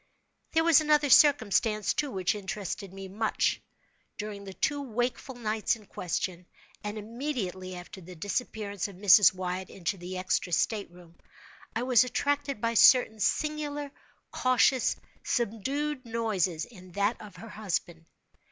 There was another circumstance, too, which interested me much. During the two wakeful nights in question, and immediately after the disappearance of Mrs. Wyatt into the extra state room, I was attracted by certain singular cautious, subdued noises in that of her husband.